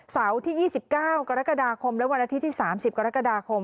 เสาร์ที่๒๙กรกฎาคมและวันอาทิตย์ที่๓๐กรกฎาคม